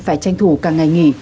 phải tranh thủ càng ngày nghỉ